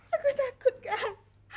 aku takut kan